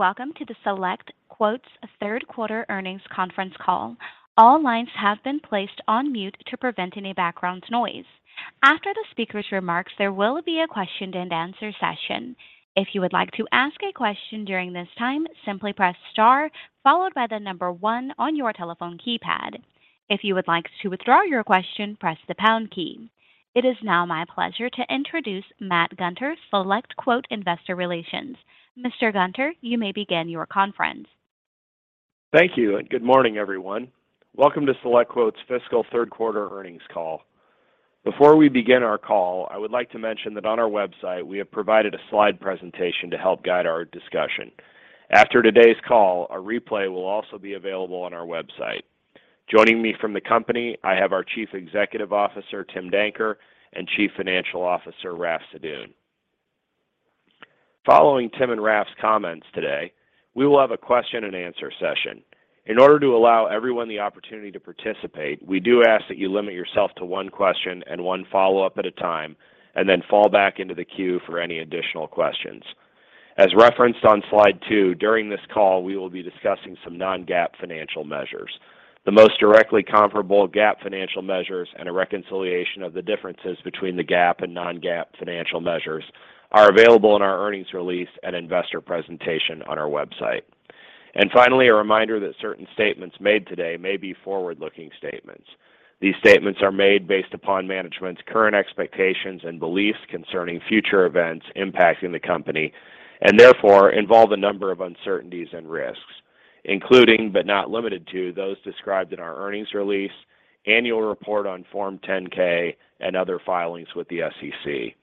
Welcome to the SelectQuote Third Quarter Earnings Conference Call. All lines have been placed on mute to prevent any background noise. After the speaker's remarks, there will be a question and answer session. If you would like to ask a question during this time, simply press star followed by the number one on your telephone keypad. If you would like to withdraw your question, press the pound key. It is now my pleasure to introduce Matt Gunter, Investor Relations, SelectQuote. Mr. Gunter, you may begin your conference. Thank you, and good morning, everyone. Welcome to SelectQuote's Fiscal Third Quarter Earnings Call. Before we begin our call, I would like to mention that on our website, we have provided a slide presentation to help guide our discussion. After today's call, a replay will also be available on our website. Joining me from the company, I have our Chief Executive Officer, Tim Danker, and Chief Financial Officer, Raff Sadun. Following Tim and Raff's comments today, we will have a question-and-answer session. In order to allow everyone the opportunity to participate, we do ask that you limit yourself to one question and one follow-up at a time, and then fall back into the queue for any additional questions. As referenced on slide two, during this call, we will be discussing some non-GAAP financial measures. The most directly comparable GAAP financial measures and a reconciliation of the differences between the GAAP and non-GAAP financial measures are available in our earnings release and investor presentation on our website. Finally, a reminder that certain statements made today may be forward-looking statements. These statements are made based upon management's current expectations and beliefs concerning future events impacting the company, and therefore, involve a number of uncertainties and risks, including, but not limited to, those described in our earnings release, annual report on Form 10-K, and other filings with the SEC.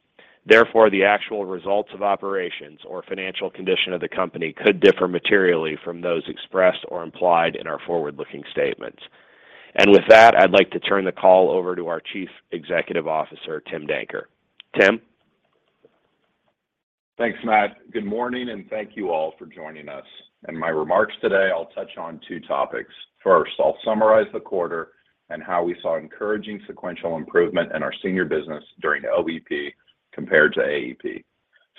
Therefore, the actual results of operations or financial condition of the company could differ materially from those expressed or implied in our forward-looking statements. With that, I'd like to turn the call over to our Chief Executive Officer, Tim Danker. Tim? Thanks, Matt. Good morning, and thank you all for joining us. In my remarks today, I'll touch on two topics. First, I'll summarize the quarter and how we saw encouraging sequential improvement in our senior business during OEP compared to AEP.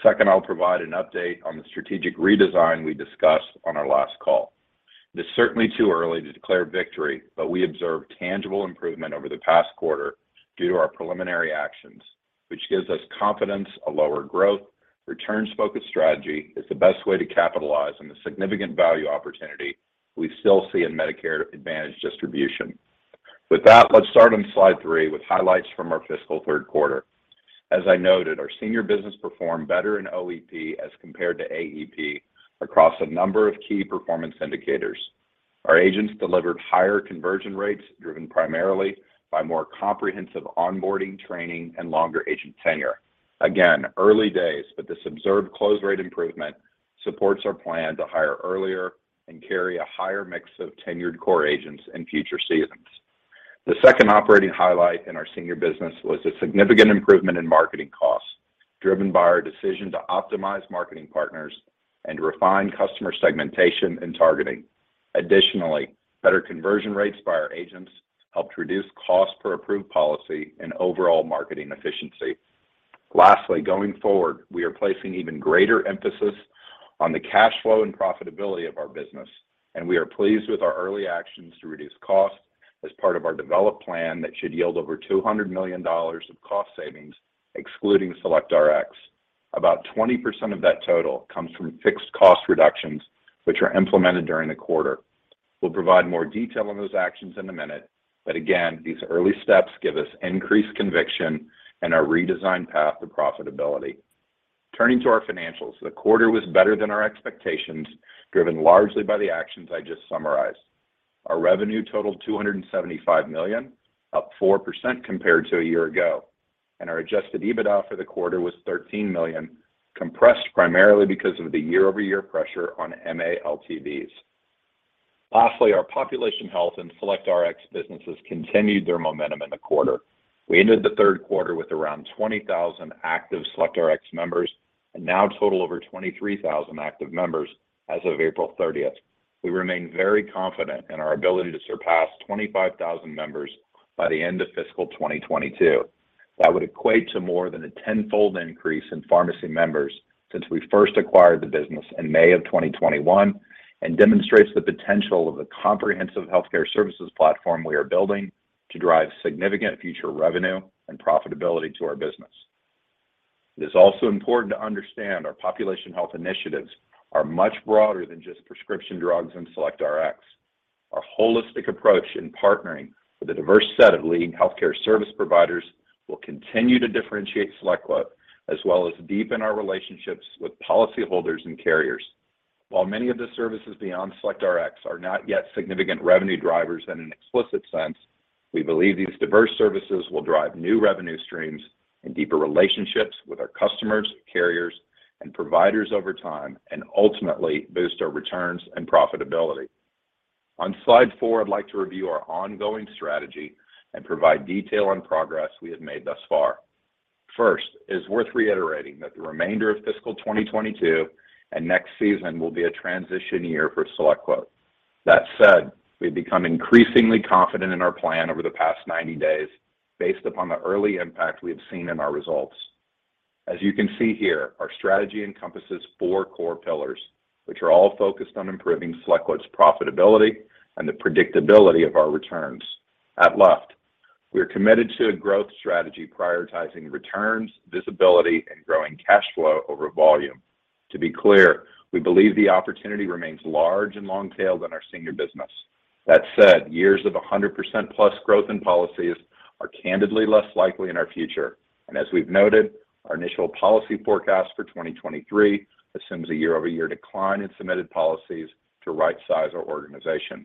Second, I'll provide an update on the strategic redesign we discussed on our last call. It's certainly too early to declare victory, but we observed tangible improvement over the past quarter due to our preliminary actions, which gives us confidence a lower growth, returns-focused strategy is the best way to capitalize on the significant value opportunity we still see in Medicare Advantage distribution. With that, let's start on slide three with highlights from our fiscal third quarter. As I noted, our senior business performed better in OEP as compared to AEP across a number of key performance indicators. Our agents delivered higher conversion rates, driven primarily by more comprehensive onboarding, training, and longer agent tenure. Again, early days, but this observed close rate improvement supports our plan to hire earlier and carry a higher mix of tenured core agents in future seasons. The second operating highlight in our senior business was a significant improvement in marketing costs, driven by our decision to optimize marketing partners and refine customer segmentation and targeting. Additionally, better conversion rates by our agents helped reduce cost per approved policy and overall marketing efficiency. Lastly, going forward, we are placing even greater emphasis on the cash flow and profitability of our business, and we are pleased with our early actions to reduce costs as part of our developed plan that should yield over $200 million of cost savings, excluding SelectRx. About 20% of that total comes from fixed cost reductions, which are implemented during the quarter. We'll provide more detail on those actions in a minute, but again, these early steps give us increased conviction in our redesigned path to profitability. Turning to our financials, the quarter was better than our expectations, driven largely by the actions I just summarized. Our revenue totaled $275 million, up 4% compared to a year ago, and our Adjusted EBITDA for the quarter was $13 million, compressed primarily because of the year-over-year pressure on MA LTVs. Lastly, our population health and SelectRx businesses continued their momentum in the quarter. We ended the third quarter with around 20,000 active SelectRx members, and now total over 23,000 active members as of April 30. We remain very confident in our ability to surpass 25,000 members by the end of fiscal 2022. That would equate to more than a tenfold increase in pharmacy members since we first acquired the business in May of 2021 and demonstrates the potential of the comprehensive healthcare services platform we are building to drive significant future revenue and profitability to our business. It is also important to understand our population health initiatives are much broader than just prescription drugs and SelectRx. Our holistic approach in partnering with a diverse set of leading healthcare service providers will continue to differentiate SelectQuote, as well as deepen our relationships with policyholders and carriers. While many of the services beyond SelectRx are not yet significant revenue drivers in an explicit sense, we believe these diverse services will drive new revenue streams and deeper relationships with our customers, carriers, and providers over time, and ultimately boost our returns and profitability. On slide 4, I'd like to review our ongoing strategy and provide detail on progress we have made thus far. First, it is worth reiterating that the remainder of fiscal 2022 and next season will be a transition year for SelectQuote. That said, we've become increasingly confident in our plan over the past 90 days based upon the early impact we have seen in our results. As you can see here, our strategy encompasses four core pillars, which are all focused on improving SelectQuote's profitability and the predictability of our returns. At SelectQuote, we are committed to a growth strategy prioritizing returns, visibility, and growing cash flow over volume. To be clear, we believe the opportunity remains large and long-tailed in our senior business. That said, years of 100%+ growth in policies are candidly less likely in our future. As we've noted, our initial policy forecast for 2023 assumes a year-over-year decline in submitted policies to rightsize our organization.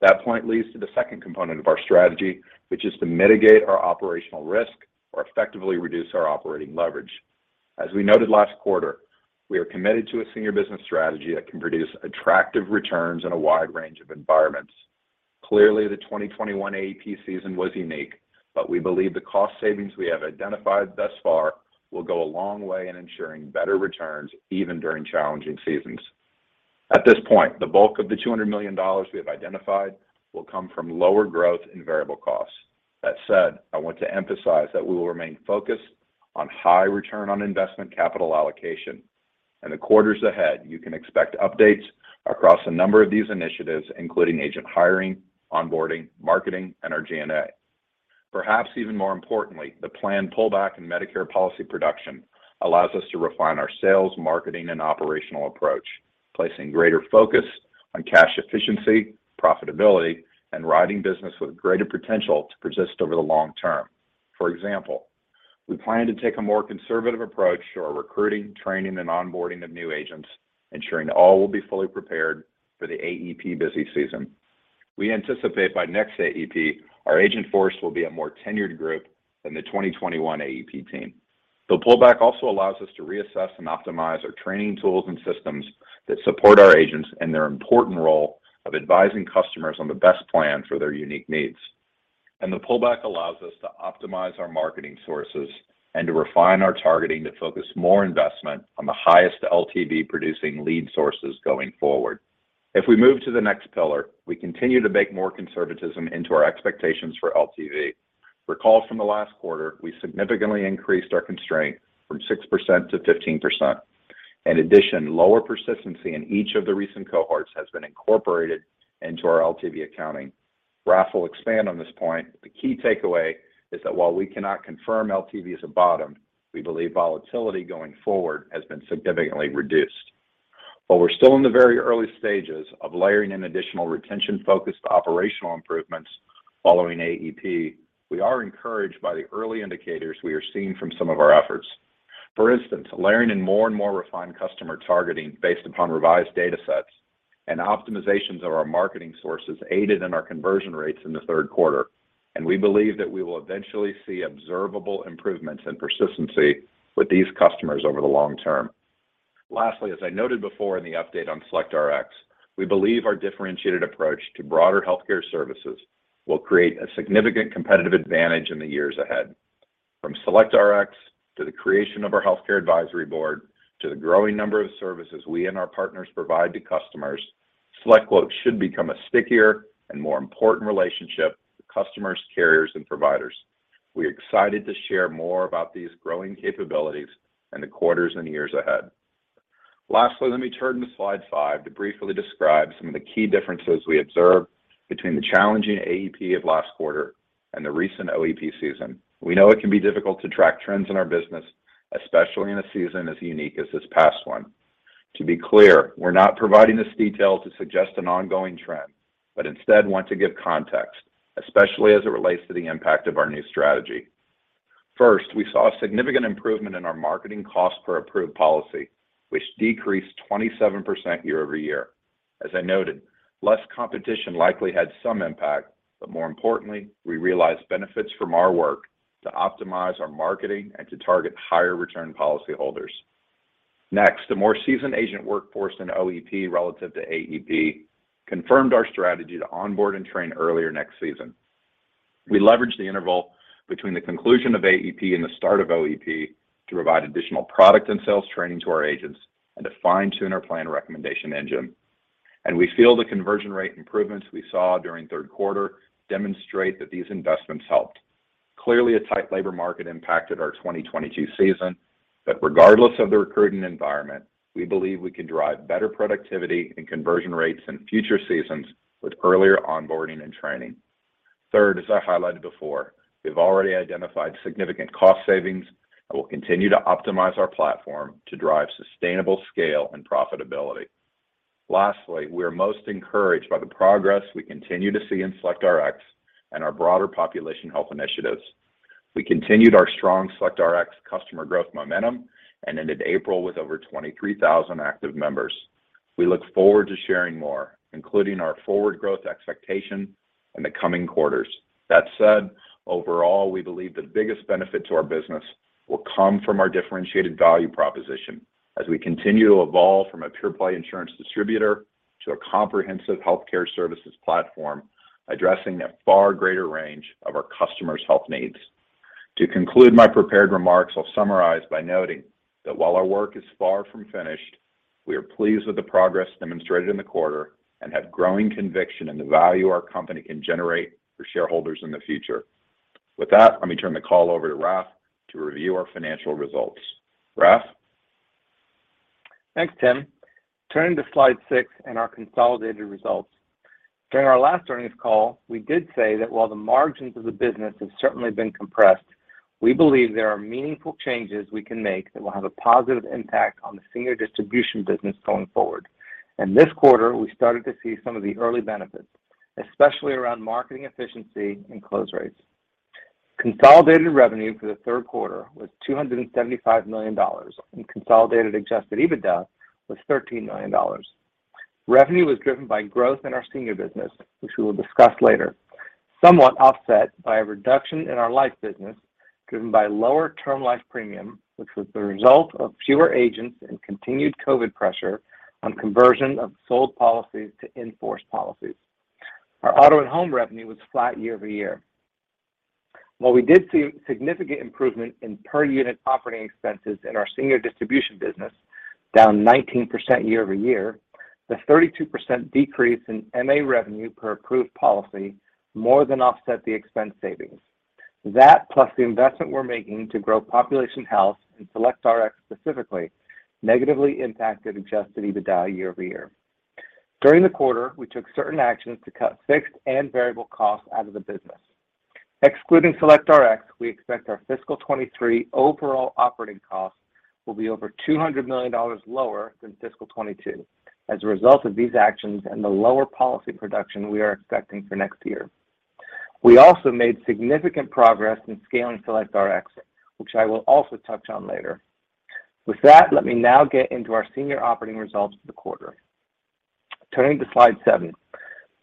That point leads to the second component of our strategy, which is to mitigate our operational risk or effectively reduce our operating leverage. As we noted last quarter, we are committed to a senior business strategy that can produce attractive returns in a wide range of environments. Clearly, the 2021 AEP season was unique, but we believe the cost savings we have identified thus far will go a long way in ensuring better returns even during challenging seasons. At this point, the bulk of the $200 million we have identified will come from lower growth and variable costs. That said, I want to emphasize that we will remain focused on high return on investment capital allocation. In the quarters ahead, you can expect updates across a number of these initiatives, including agent hiring, onboarding, marketing, and our G&A. Perhaps even more importantly, the planned pullback in Medicare policy production allows us to refine our sales, marketing, and operational approach, placing greater focus on cash efficiency, profitability, and writing business with greater potential to persist over the long term. For example, we plan to take a more conservative approach to our recruiting, training, and onboarding of new agents, ensuring that all will be fully prepared for the AEP busy season. We anticipate by next AEP our agent force will be a more tenured group than the 2021 AEP team. The pullback also allows us to reassess and optimize our training tools and systems that support our agents and their important role of advising customers on the best plan for their unique needs. The pullback allows us to optimize our marketing sources and to refine our targeting to focus more investment on the highest LTV producing lead sources going forward. If we move to the next pillar, we continue to bake more conservatism into our expectations for LTV. Recall from the last quarter, we significantly increased our constraint from 6% to 15%. In addition, lower persistency in each of the recent cohorts has been incorporated into our LTV accounting. Raff will expand on this point, but the key takeaway is that while we cannot confirm LTV is a bottom, we believe volatility going forward has been significantly reduced. While we're still in the very early stages of layering in additional retention-focused operational improvements following AEP, we are encouraged by the early indicators we are seeing from some of our efforts. For instance, layering in more and more refined customer targeting based upon revised datasets and optimizations of our marketing sources aided in our conversion rates in the third quarter, and we believe that we will eventually see observable improvements in persistency with these customers over the long term. Lastly, as I noted before in the update on SelectRx, we believe our differentiated approach to broader healthcare services will create a significant competitive advantage in the years ahead. From SelectRx to the creation of our Healthcare Advisory Board to the growing number of services we and our partners provide to customers, SelectQuote should become a stickier and more important relationship to customers, carriers, and providers. We're excited to share more about these growing capabilities in the quarters and years ahead. Lastly, let me turn to slide five to briefly describe some of the key differences we observed between the challenging AEP of last quarter and the recent OEP season. We know it can be difficult to track trends in our business, especially in a season as unique as this past one. To be clear, we're not providing this detail to suggest an ongoing trend, but instead want to give context, especially as it relates to the impact of our new strategy. First, we saw a significant improvement in our marketing cost per approved policy, which decreased 27% year-over-year. As I noted, less competition likely had some impact, but more importantly, we realized benefits from our work to optimize our marketing and to target higher return policyholders. Next, the more seasoned agent workforce in OEP relative to AEP confirmed our strategy to onboard and train earlier next season. We leveraged the interval between the conclusion of AEP and the start of OEP to provide additional product and sales training to our agents and to fine-tune our plan recommendation engine. We feel the conversion rate improvements we saw during third quarter demonstrate that these investments helped. Clearly, a tight labor market impacted our 2022 season, but regardless of the recruiting environment, we believe we can drive better productivity and conversion rates in future seasons with earlier onboarding and training. Third, as I highlighted before, we've already identified significant cost savings and will continue to optimize our platform to drive sustainable scale and profitability. Lastly, we are most encouraged by the progress we continue to see in SelectRx and our broader population health initiatives. We continued our strong SelectRx customer growth momentum and ended April with over 23,000 active members. We look forward to sharing more, including our forward growth expectation in the coming quarters. That said, overall, we believe the biggest benefit to our business will come from our differentiated value proposition as we continue to evolve from a pure-play insurance distributor to a comprehensive healthcare services platform addressing a far greater range of our customers' health needs. To conclude my prepared remarks, I'll summarize by noting that while our work is far from finished, we are pleased with the progress demonstrated in the quarter and have growing conviction in the value our company can generate for shareholders in the future. With that, let me turn the call over to Raff to review our financial results. Raff? Thanks, Tim. Turning to slide 6 in our consolidated results. During our last earnings call, we did say that while the margins of the business have certainly been compressed, we believe there are meaningful changes we can make that will have a positive impact on the senior distribution business going forward. In this quarter, we started to see some of the early benefits, especially around marketing efficiency and close rates. Consolidated revenue for the third quarter was $275 million, and consolidated Adjusted EBITDA was $13 million. Revenue was driven by growth in our senior business, which we will discuss later, somewhat offset by a reduction in our life business, driven by lower term life premium, which was the result of fewer agents and continued COVID pressure on conversion of sold policies to in-force policies. Our auto and home revenue was flat year-over-year. While we did see significant improvement in per unit operating expenses in our senior distribution business, down 19% year-over-year, the 32% decrease in MA revenue per approved policy more than offset the expense savings. That plus the investment we're making to grow population health in SelectRx specifically negatively impacted Adjusted EBITDA year-over-year. During the quarter, we took certain actions to cut fixed and variable costs out of the business. Excluding SelectRx, we expect our fiscal 2023 overall operating costs will be over $200 million lower than fiscal 2022 as a result of these actions and the lower policy production we are expecting for next year. We also made significant progress in scaling SelectRx, which I will also touch on later. With that, let me now get into our senior operating results for the quarter. Turning to slide 7.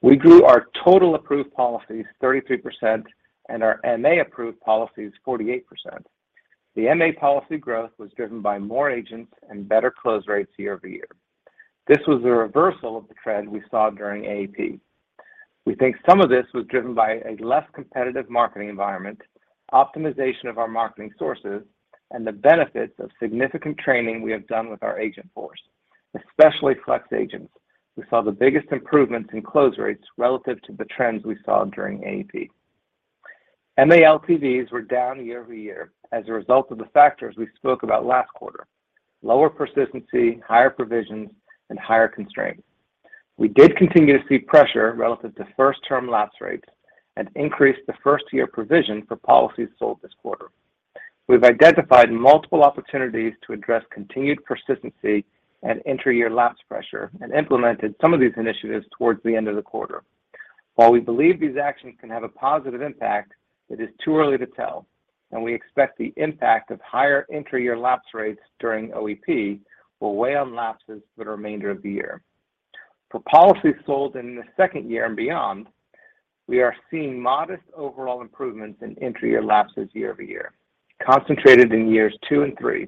We grew our total approved policies 33% and our MA approved policies 48%. The MA policy growth was driven by more agents and better close rates year-over-year. This was a reversal of the trend we saw during AEP. We think some of this was driven by a less competitive marketing environment, optimization of our marketing sources, and the benefits of significant training we have done with our agent force, especially Flex agents, who saw the biggest improvements in close rates relative to the trends we saw during AEP. MA LTVs were down year-over-year as a result of the factors we spoke about last quarter, lower persistency, higher provisions, and higher constraints. We did continue to see pressure relative to first term lapse rates and increased the first-year provision for policies sold this quarter. We've identified multiple opportunities to address continued persistency and entry year lapse pressure and implemented some of these initiatives toward the end of the quarter. While we believe these actions can have a positive impact, it is too early to tell, and we expect the impact of higher entry year lapse rates during OEP will weigh on lapses for the remainder of the year. For policies sold in the second year and beyond, we are seeing modest overall improvements in entry year lapses year-over-year, concentrated in years two and three,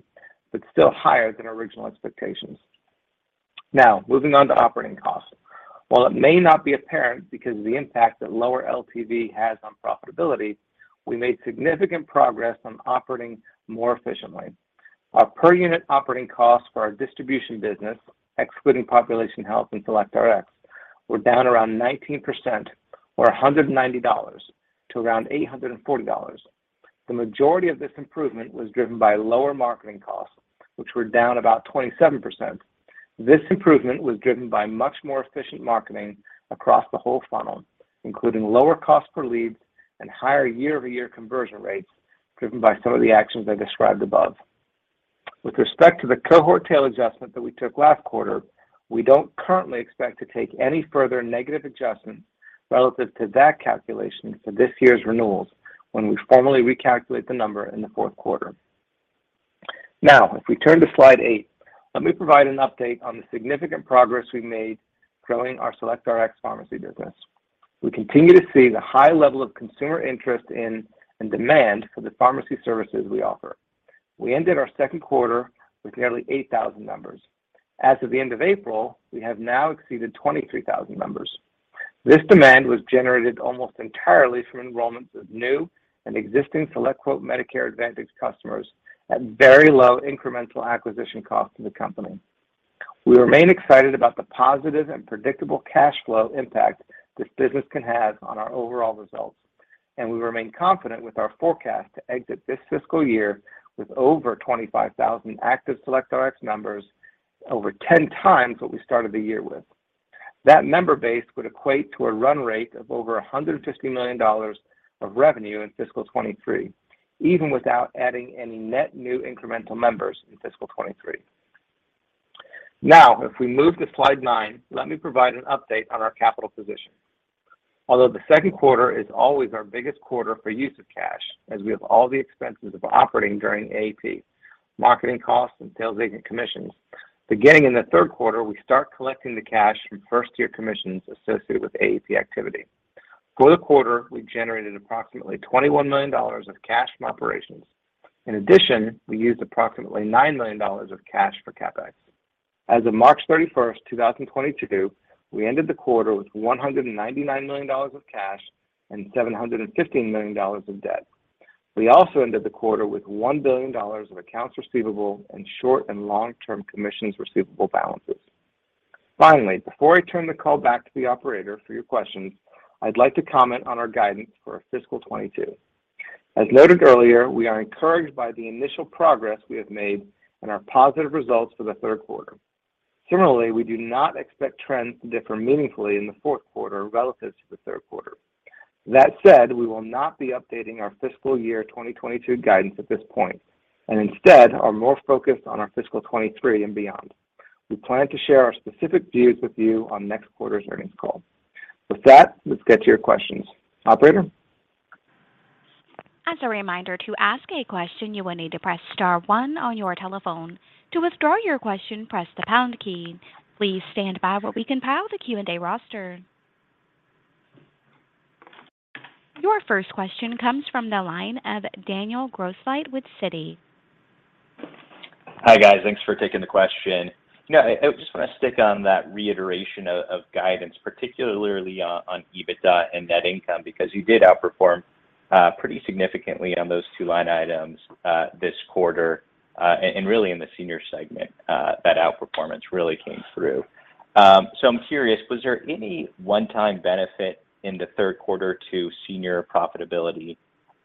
but still higher than original expectations. Now, moving on to operating costs. While it may not be apparent because of the impact that lower LTV has on profitability, we made significant progress on operating more efficiently. Our per unit operating costs for our distribution business, excluding population health and SelectRx, were down around 19% or $190 to around $840. The majority of this improvement was driven by lower marketing costs, which were down about 27%. This improvement was driven by much more efficient marketing across the whole funnel, including lower cost per lead and higher year-over-year conversion rates driven by some of the actions I described above. With respect to the cohort tail adjustment that we took last quarter, we don't currently expect to take any further negative adjustments relative to that calculation for this year's renewals when we formally recalculate the number in the fourth quarter. Now, if we turn to slide 8, let me provide an update on the significant progress we've made growing our SelectRx pharmacy business. We continue to see the high level of consumer interest in and demand for the pharmacy services we offer. We ended our second quarter with nearly 8,000 members. As of the end of April, we have now exceeded 23,000 members. This demand was generated almost entirely from enrollments of new and existing SelectQuote Medicare Advantage customers at very low incremental acquisition cost to the company. We remain excited about the positive and predictable cash flow impact this business can have on our overall results, and we remain confident with our forecast to exit this fiscal year with over 25,000 active SelectRx members, over 10 times what we started the year with. That member base would equate to a run rate of over $150 million of revenue in fiscal 2023, even without adding any net new incremental members in fiscal 2023. Now, if we move to slide nine, let me provide an update on our capital position. Although the second quarter is always our biggest quarter for use of cash, as we have all the expenses of operating during AEP, marketing costs, and sales agent commissions, beginning in the third quarter, we start collecting the cash from first-year commissions associated with AEP activity. For the quarter, we generated approximately $21 million of cash from operations. In addition, we used approximately $9 million of cash for CapEx. As of March 31st, 2022, we ended the quarter with $199 million of cash and $715 million of debt. We also ended the quarter with $1 billion of accounts receivable and short- and long-term commissions receivable balances. Finally, before I turn the call back to the operator for your questions, I'd like to comment on our guidance for fiscal 2022. As noted earlier, we are encouraged by the initial progress we have made and our positive results for the third quarter. Similarly, we do not expect trends to differ meaningfully in the fourth quarter relative to the third quarter. That said, we will not be updating our fiscal year 2022 guidance at this point, and instead are more focused on our fiscal 2023 and beyond. We plan to share our specific views with you on next quarter's earnings call. With that, let's get to your questions. Operator? As a reminder, to ask a question, you will need to press star one on your telephone. To withdraw your question, press the pound key. Please stand by while we compile the Q&A roster. Your first question comes from the line of Daniel Grosslight with Citi. Hi, guys. Thanks for taking the question. You know, I just want to stick on that reiteration of guidance, particularly on EBITDA and net income, because you did outperform pretty significantly on those two line items this quarter. Really in the senior segment, that outperformance really came through. I'm curious, was there any one-time benefit in the third quarter to senior profitability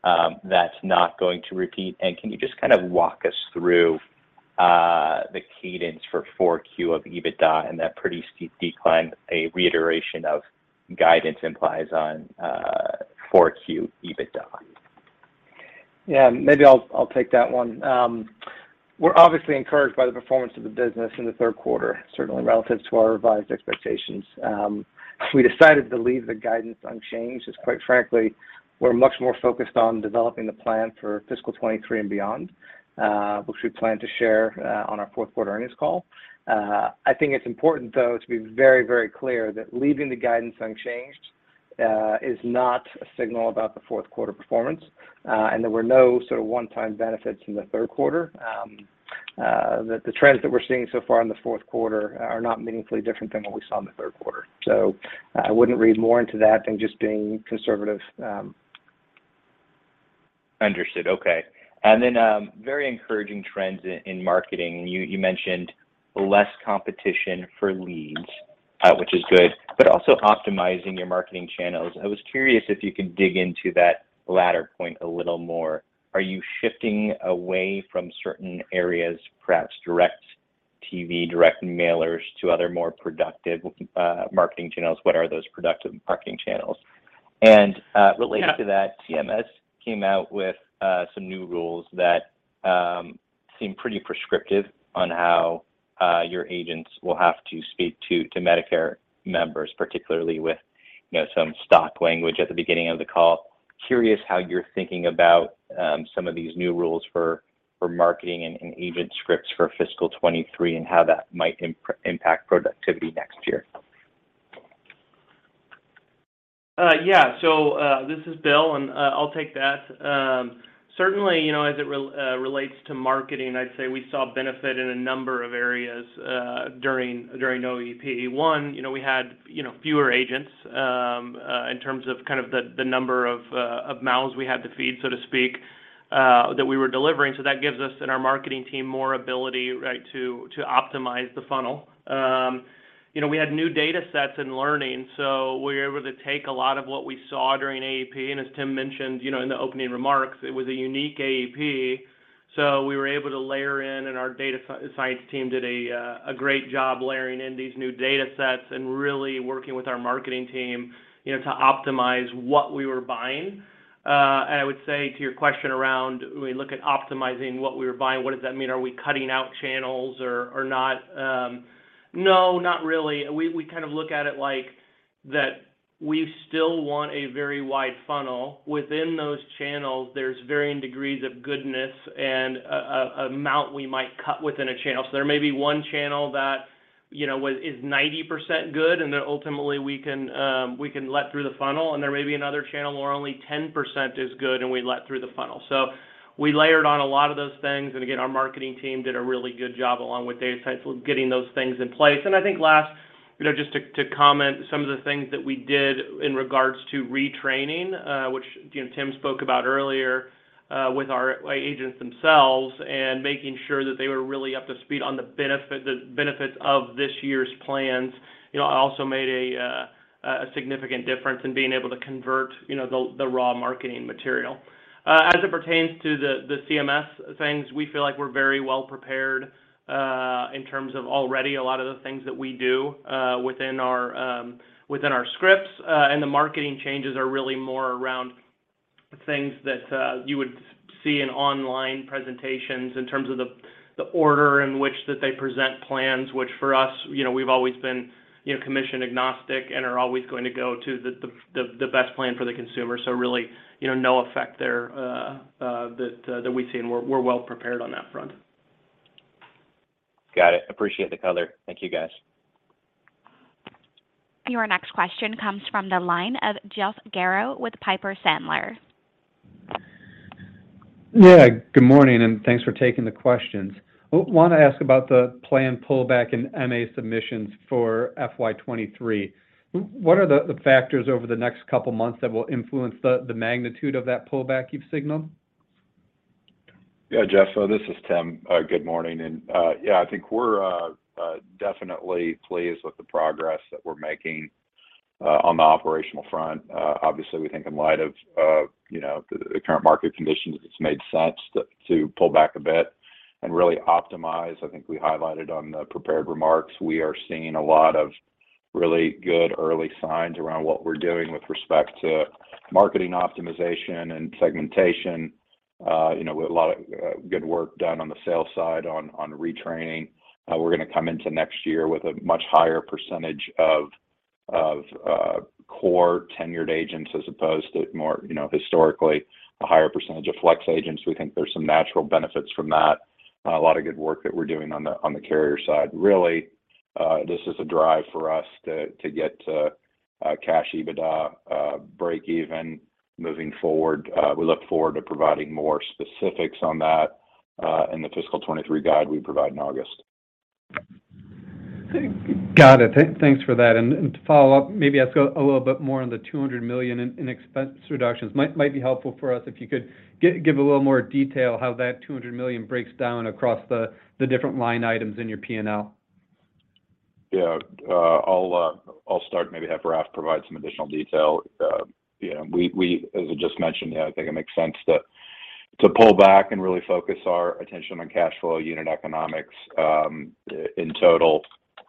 that's not going to repeat? Can you just kind of walk us through the cadence for 4Q of EBITDA and that pretty steep decline a reiteration of guidance implies on 4Q EBITDA? Yeah, maybe I'll take that one. We're obviously encouraged by the performance of the business in the third quarter, certainly relative to our revised expectations. We decided to leave the guidance unchanged, as quite frankly, we're much more focused on developing the plan for fiscal 2023 and beyond, which we plan to share on our fourth quarter earnings call. I think it's important, though, to be very, very clear that leaving the guidance unchanged is not a signal about the fourth quarter performance, and there were no sort of one-time benefits in the third quarter. The trends that we're seeing so far in the fourth quarter are not meaningfully different than what we saw in the third quarter. I wouldn't read more into that than just being conservative. Understood. Okay. Very encouraging trends in marketing. You mentioned less competition for leads, which is good, but also optimizing your marketing channels. I was curious if you could dig into that latter point a little more. Are you shifting away from certain areas, perhaps DIRECTV, direct mailers, to other more productive marketing channels? What are those productive marketing channels? Related to that. Yeah. CMS came out with some new rules that seem pretty prescriptive on how your agents will have to speak to Medicare members, particularly with, you know, some stock language at the beginning of the call. Curious how you're thinking about some of these new rules for marketing and agent scripts for fiscal 2023 and how that might impact productivity next year? Yeah. This is Bill, and I'll take that. Certainly, you know, as it relates to marketing, I'd say we saw benefit in a number of areas during AEP. One, you know, we had fewer agents in terms of kind of the number of mouths we had to feed, so to speak, that we were delivering. That gives us and our marketing team more ability, right, to optimize the funnel. You know, we had new data sets and learning, so we were able to take a lot of what we saw during AEP, and as Tim mentioned, you know, in the opening remarks, it was a unique AEP. We were able to layer in, and our data science team did a great job layering in these new data sets and really working with our marketing team, you know, to optimize what we were buying. I would say to your question around when you look at optimizing what we were buying, what does that mean? Are we cutting out channels or not? No, not really. We kind of look at it like that we still want a very wide funnel. Within those channels, there's varying degrees of goodness and amount we might cut within a channel. There may be one channel that, you know, is 90% good, and then ultimately we can let through the funnel. There may be another channel where only 10% is good, and we let through the funnel. We layered on a lot of those things. Our marketing team did a really good job along with data science with getting those things in place. I think last, you know, just to comment, some of the things that we did in regards to retraining, which, you know, Tim spoke about earlier, with our agents themselves and making sure that they were really up to speed on the benefits of this year's plans, you know, also made a significant difference in being able to convert, you know, the raw marketing material. As it pertains to the CMS things, we feel like we're very well prepared in terms of already a lot of the things that we do within our scripts. The marketing changes are really more around things that you would see in online presentations in terms of the order in which they present plans, which for us, you know, we've always been, you know, commission agnostic and are always going to go to the best plan for the consumer. Really, you know, no effect there that we see, and we're well prepared on that front. Got it. Appreciate the color. Thank you, guys. Your next question comes from the line of Jeff Garro with Piper Sandler. Yeah. Good morning, and thanks for taking the questions. I want to ask about the planned pullback in MA submissions for FY 2023. What are the factors over the next couple of months that will influence the magnitude of that pullback you've signaled? Yeah, Jeff, this is Tim. Good morning. I think we're definitely pleased with the progress that we're making on the operational front. Obviously, we think in light of you know, the current market conditions, it's made sense to pull back a bit and really optimize. I think we highlighted on the prepared remarks, we are seeing a lot of really good early signs around what we're doing with respect to marketing optimization and segmentation, you know, a lot of good work done on the sales side on retraining. We're going to come into next year with a much higher percentage of core tenured agents as opposed to more, you know, historically, a higher percentage of flex agents. We think there's some natural benefits from that. A lot of good work that we're doing on the carrier side. Really, this is a drive for us to get to cash EBITDA breakeven moving forward. We look forward to providing more specifics on that in the fiscal 2023 guide we provide in August. Got it. Thanks for that. To follow up, maybe ask a little bit more on the $200 million in expense reductions. Might be helpful for us if you could give a little more detail how that $200 million breaks down across the different line items in your P&L. Yeah. I'll start and maybe have Raff provide some additional detail. As I just mentioned, yeah, I think it makes sense to pull back and really focus our attention on cash flow unit economics. In total,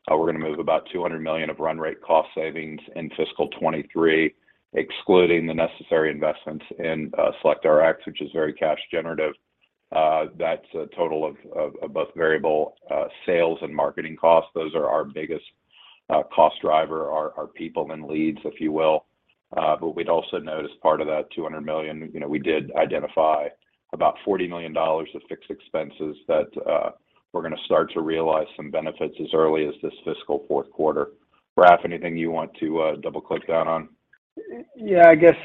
we're going to move about $200 million of run rate cost savings in fiscal 2023, excluding the necessary investments in SelectRx, which is very cash generative. That's a total of both variable sales and marketing costs. Those are our biggest cost driver, are people and leads, if you will. But we'd also note as part of that $200 million, you know, we did identify about $40 million of fixed expenses that we're going to start to realize some benefits as early as this fiscal fourth quarter. Raff, anything you want to double-click down on? Yeah. I guess,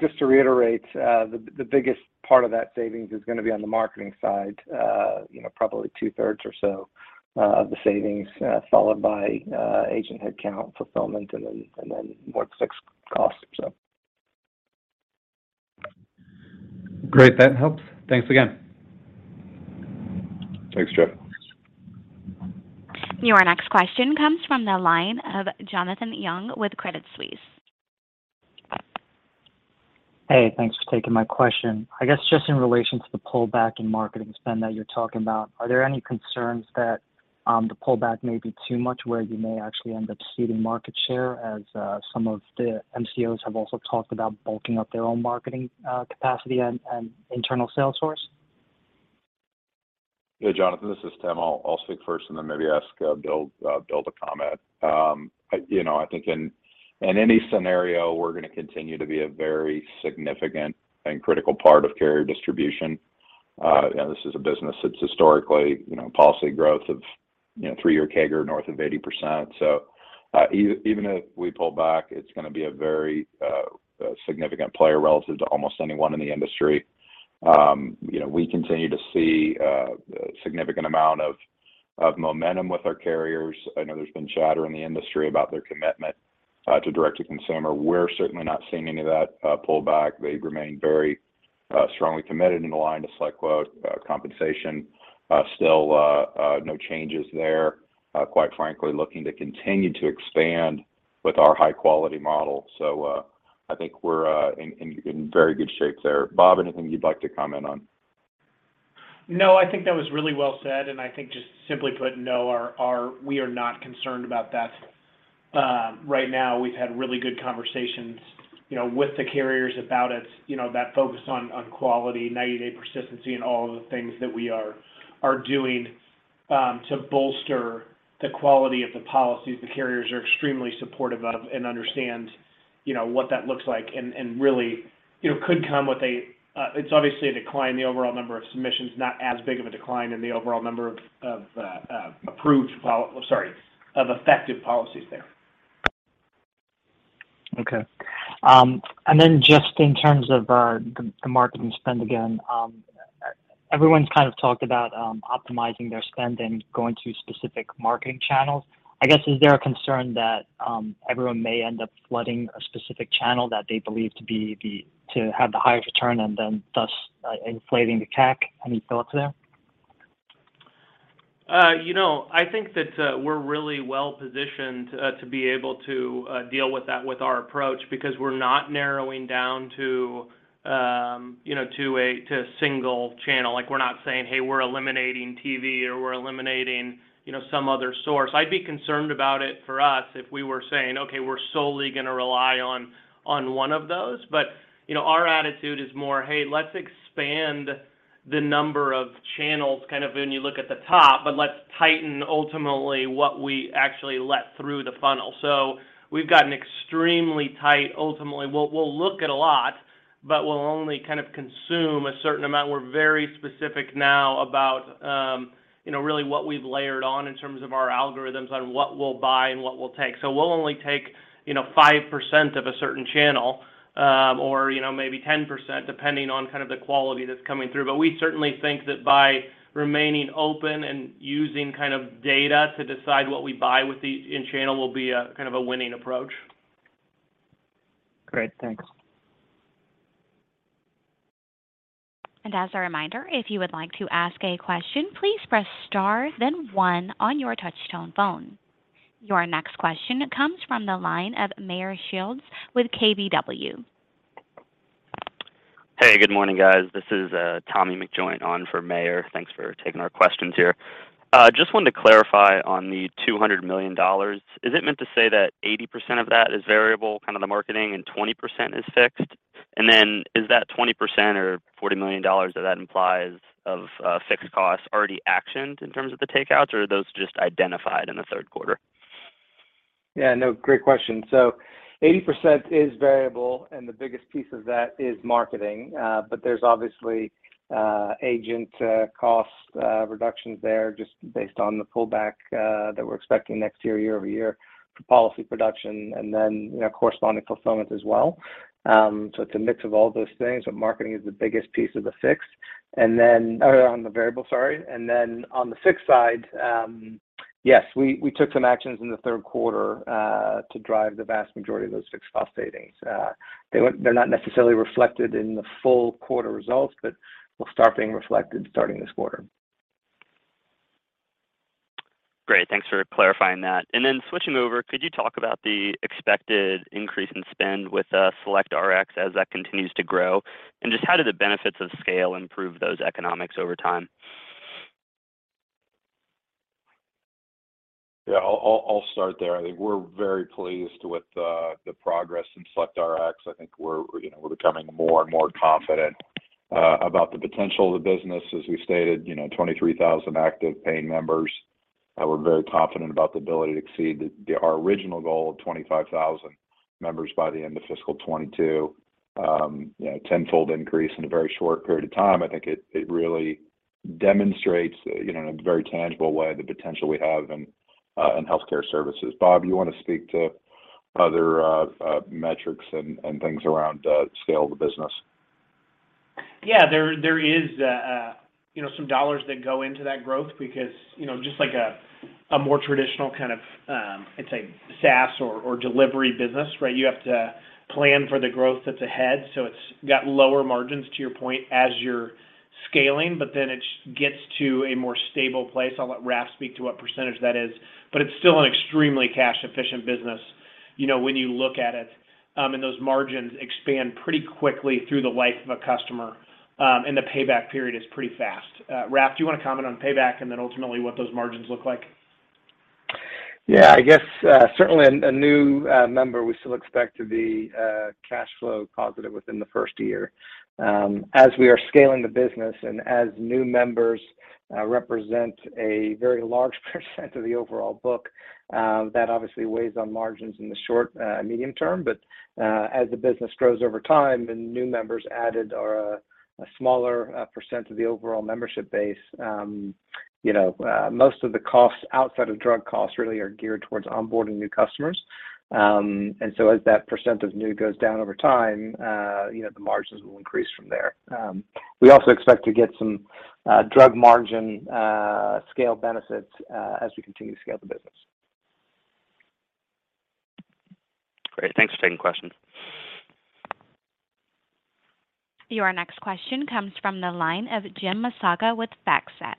just to reiterate, the biggest part of that savings is gonna be on the marketing side. You know, probably two-thirds or so, of the savings, followed by agent headcount, fulfillment, and then more fixed costs. Great. That helps. Thanks again. Thanks, Jeff. Your next question comes from the line of Jailen Young with Credit Suisse. Hey, thanks for taking my question. I guess just in relation to the pullback in marketing spend that you're talking about, are there any concerns that the pullback may be too much where you may actually end up ceding market share as some of the MCOs have also talked about bulking up their own marketing capacity and internal sales force? Yeah, Jailen, this is Tim. I'll speak first and then maybe ask Bill to comment. You know, I think in any scenario, we're gonna continue to be a very significant and critical part of carrier distribution. You know, this is a business that's historically policy growth of three-year CAGR north of 80%. Even if we pull back, it's gonna be a very significant player relative to almost anyone in the industry. You know, we continue to see a significant amount of momentum with our carriers. I know there's been chatter in the industry about their commitment to direct-to-consumer. We're certainly not seeing any of that pullback. They've remained very strongly committed and aligned to SelectQuote compensation. Still, no changes there. Quite frankly, looking to continue to expand with our high quality model. I think we're in very good shape there. Bob, anything you'd like to comment on? No, I think that was really well said, and I think just simply put, no, we are not concerned about that. Right now we've had really good conversations, you know, with the carriers about it, you know, that focus on quality, 90-day persistency and all of the things that we are doing to bolster the quality of the policies. The carriers are extremely supportive of and understand, you know, what that looks like and really, you know, could come with. It's obviously a decline in the overall number of submissions, not as big of a decline in the overall number of effective policies there. Okay. Then just in terms of the marketing spend again, everyone's kind of talked about optimizing their spend and going to specific marketing channels. I guess, is there a concern that everyone may end up flooding a specific channel that they believe to have the highest return and then thus inflating the CAC? Any thoughts there? You know, I think that we're really well-positioned to be able to deal with that with our approach because we're not narrowing down to, you know, to a single channel. Like, we're not saying, "Hey, we're eliminating TV," or, "We're eliminating, you know, some other source." I'd be concerned about it for us if we were saying, "Okay, we're solely gonna rely on one of those." You know, our attitude is more, "Hey, let's expand the number of channels," kind of when you look at the top, but let's tighten, ultimately, what we actually let through the funnel. Ultimately, we'll look at a lot, but we'll only kind of consume a certain amount. We're very specific now about, you know, really what we've layered on in terms of our algorithms on what we'll buy and what we'll take. We'll only take, you know, 5% of a certain channel, or, you know, maybe 10%, depending on kind of the quality that's coming through. We certainly think that by remaining open and using kind of data to decide what we buy with the in channel will be a kind of a winning approach. Great. Thanks. As a reminder, if you would like to ask a question, please press star then one on your touchtone phone. Your next question comes from the line of Meyer Shields with KBW. Hey, good morning, guys. This is Tommy McJoynt on for Meyer. Thanks for taking our questions here. Just wanted to clarify on the $200 million, is it meant to say that 80% of that is variable, kind of the marketing, and 20% is fixed? And then is that 20% or $40 million of that implies of fixed costs already actioned in terms of the takeouts, or are those just identified in the third quarter? Yeah, no, great question. So 80% is variable, and the biggest piece of that is marketing. But there's obviously agent cost reductions there just based on the pullback that we're expecting next year-over-year for policy production and then, you know, corresponding fulfillment as well. So it's a mix of all those things, but marketing is the biggest piece of the fixed. Or on the variable, sorry. On the fixed side, yes, we took some actions in the third quarter to drive the vast majority of those fixed cost savings. They're not necessarily reflected in the full quarter results, but will start being reflected starting this quarter. Great. Thanks for clarifying that. Then switching over, could you talk about the expected increase in spend with SelectRx as that continues to grow? Just how do the benefits of scale improve those economics over time? Yeah. I'll start there. I think we're very pleased with the progress in SelectRx. I think we're, you know, we're becoming more and more confident about the potential of the business. As we've stated, you know, 23,000 active paying members, we're very confident about the ability to exceed our original goal of 25,000 members by the end of fiscal 2022. You know, tenfold increase in a very short period of time. I think it really demonstrates, you know, in a very tangible way the potential we have in healthcare services. Bob, you wanna speak to other metrics and things around scale of the business? Yeah. There is, you know, some dollars that go into that growth because, you know, just like a more traditional kind of, I'd say SaaS or delivery business, right? You have to plan for the growth that's ahead. It's got lower margins to your point as you're scaling, but then it gets to a more stable place. I'll let Raff speak to what percentage that is, but it's still an extremely cash-efficient business, you know, when you look at it. Those margins expand pretty quickly through the life of a customer, and the payback period is pretty fast. Raff, do you wanna comment on payback and then ultimately what those margins look like? Yeah. I guess certainly a new member we still expect to be cash flow positive within the first year. As we are scaling the business and as new members represent a very large percent of the overall book, that obviously weighs on margins in the short medium term. As the business grows over time and new members added are a smaller percent of the overall membership base, you know, most of the costs outside of drug costs really are geared towards onboarding new customers. As that percent of new goes down over time, you know, the margins will increase from there. We also expect to get some drug margin scale benefits as we continue to scale the business. Great. Thanks for taking the question. Your next question comes from the line of Jim Massocca with FactSet.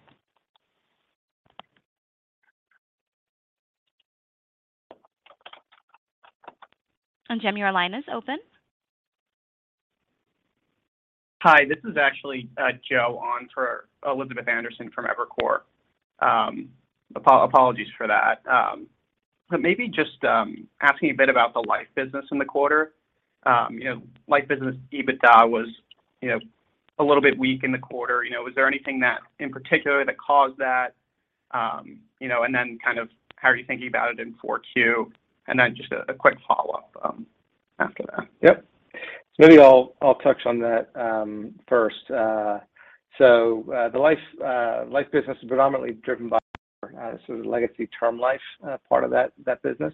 Jim, your line is open. Hi, this is actually Joe on for Elizabeth Anderson from Evercore. Apologies for that. Maybe just asking a bit about the life business in the quarter. You know, life business EBITDA was, you know, a little bit weak in the quarter. You know, was there anything in particular that caused that? You know, and then kind of how are you thinking about it in 2022? Then just a quick follow-up after that. Yep. Maybe I'll touch on that first. The life business is predominantly driven by sort of legacy term life part of that business,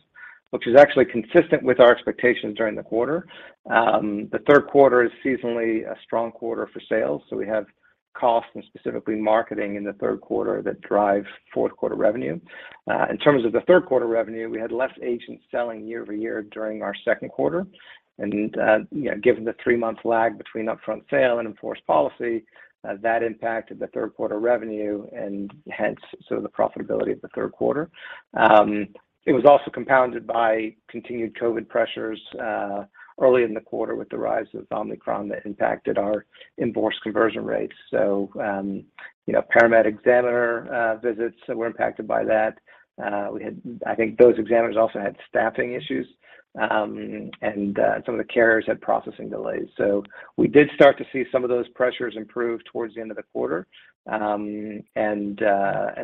which is actually consistent with our expectations during the quarter. The third quarter is seasonally a strong quarter for sales, so we have costs, and specifically marketing in the third quarter that drive fourth quarter revenue. In terms of the third quarter revenue, we had less agents selling year-over-year during our second quarter. You know, given the three-month lag between upfront sale and in-force policy, that impacted the third quarter revenue and hence sort of the profitability of the third quarter. It was also compounded by continued COVID pressures early in the quarter with the rise of Omicron that impacted our in-force conversion rates. Paramedical examiner visits were impacted by that. We had I think those examiners also had staffing issues, and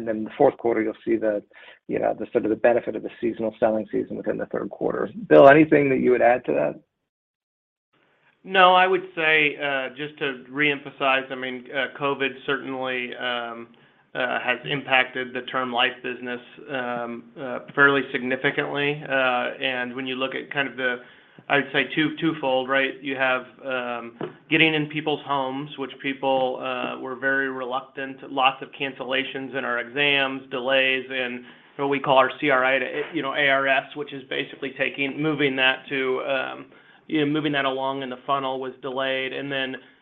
then the fourth quarter, you'll see the sort of benefit of the seasonal selling season within the third quarter. Bill, anything that you would add to that? No, I would say, just to reemphasize, I mean, COVID certainly has impacted the term life business fairly significantly. When you look at kind of the, I'd say twofold, right? You have getting in people's homes, which people were very reluctant. Lots of cancellations in our exams, delays in what we call our CRI to, you know, ARS, which is basically moving that along in the funnel was delayed.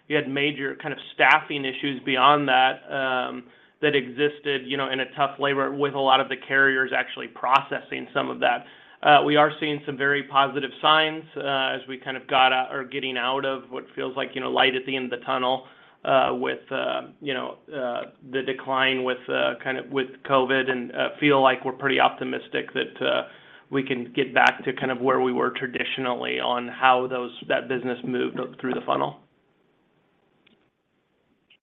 You had major kind of staffing issues beyond that existed, you know, in a tough labor with a lot of the carriers actually processing some of that. We are seeing some very positive signs, as we kind of getting out of what feels like, you know, light at the end of the tunnel, with, you know, the decline with kind of with COVID and feel like we're pretty optimistic that we can get back to kind of where we were traditionally on how that business moved through the funnel.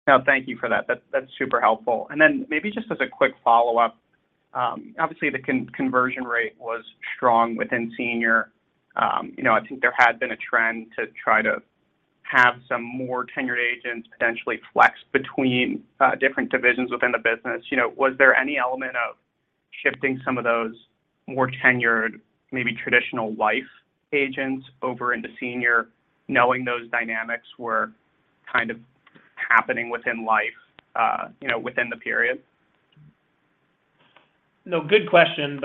No, thank you for that. That's super helpful. Then maybe just as a quick follow-up, obviously the conversion rate was strong within senior. You know, I think there had been a trend to try to have some more tenured agents potentially flex between different divisions within the business. You know, was there any element of shifting some of those more tenured, maybe traditional life agents over into senior, knowing those dynamics were kind of happening within life, you know, within the period? No, good question.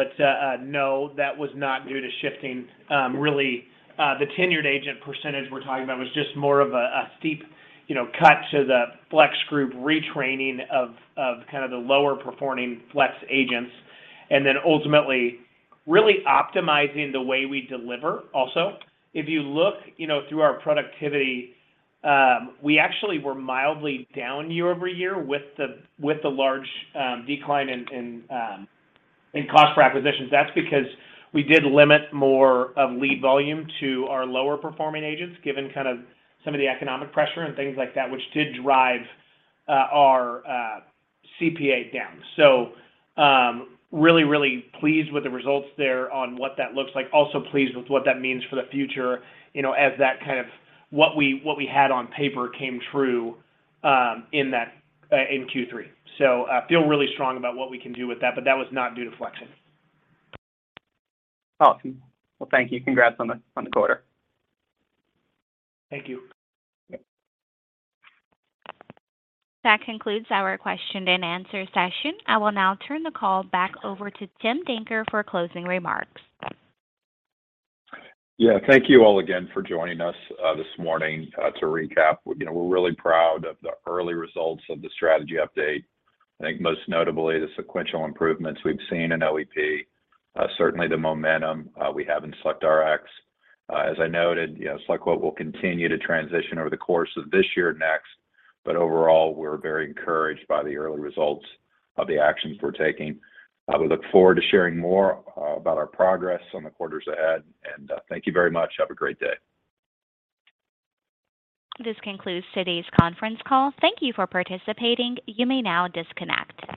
No, that was not due to shifting. Really, the tenured agent percentage we're talking about was just more of a steep, you know, cut to the flex group retraining of kind of the lower performing flex agents. Then ultimately really optimizing the way we deliver also. If you look, you know, through our productivity, we actually were mildly down year-over-year with the large decline in cost per acquisition. That's because we did limit more of lead volume to our lower performing agents, given kind of some of the economic pressure and things like that, which did drive our CPA down. Really pleased with the results there on what that looks like. Also pleased with what that means for the future, you know, as that kind of what we had on paper came true in Q3. I feel really strong about what we can do with that, but that was not due to flexing. Awesome. Well, thank you. Congrats on the quarter. Thank you. That concludes our question and answer session. I will now turn the call back over to Tim Danker for closing remarks. Yeah. Thank you all again for joining us this morning. To recap, you know, we're really proud of the early results of the strategy update. I think most notably the sequential improvements we've seen in OEP. Certainly the momentum we have in SelectRx. As I noted, you know, SelectQuote will continue to transition over the course of this year next, but overall, we're very encouraged by the early results of the actions we're taking. We look forward to sharing more about our progress on the quarters ahead. Thank you very much. Have a great day. This concludes today's conference call. Thank you for participating. You may now disconnect.